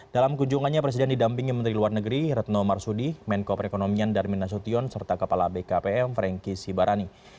dalam kunjungannya presiden didampingi menteri luar negeri retno marsudi menko perekonomian darmin nasution serta kepala bkpm frankie sibarani